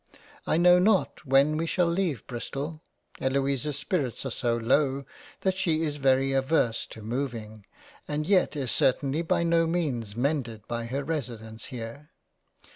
I know not when we shall leave Bristol, Eloisa's spirits are so low that she is very averse to moving, and yet is certainly by no means mended by her residence here.